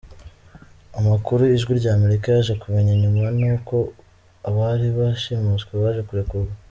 Amakuru Ijwi ry’Amerika yaje kumenya nyuma ni uko abari bashimuswe baje kurekurwa.